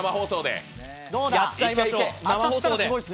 やっちゃいましょう。